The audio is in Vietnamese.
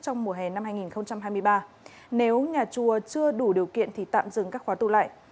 trong mùa hè năm hai nghìn hai mươi ba nếu nhà chùa chưa đủ điều kiện thì tạm dừng các khóa tu lại